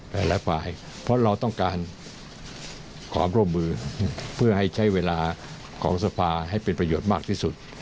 หลายฝ่ายเพราะเราต้องการความร่วมมือเพื่อให้ใช้เวลาของสภาให้เป็นประโยชน์มากที่สุด